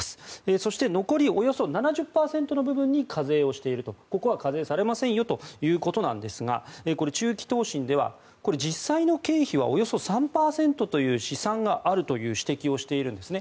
そして残りおよそ７０％の部分に課税をしているとここは課税されませんよということですがこれ、中期答申では実際の経費はおよそ３％という試算があるという指摘をしているんですね。